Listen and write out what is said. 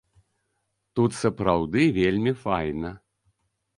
Тут сапраўды вельмі файна.